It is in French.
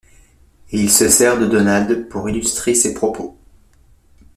Et il se sert de Donald pour illustrer ses propos...